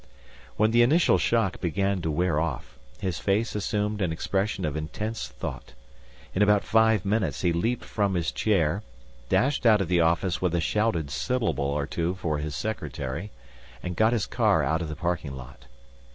When the initial shock began to wear off, his face assumed an expression of intense thought. In about five minutes he leaped from his chair, dashed out of the office with a shouted syllable or two for his secretary, and got his car out of the parking lot.